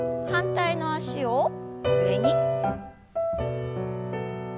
反対の脚を上に。